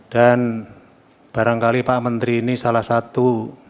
dan barangkali pak menteri ini salah satu